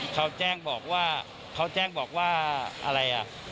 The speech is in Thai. เขาแจ้งบอกว่าเขาแจ้งบอกว่าอะไรอ่ะ